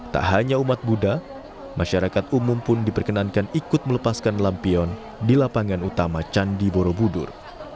tak hanya umat buddha masyarakat umum pun diperkenankan ikut melepaskan lampion di lapangan utama candi borobudur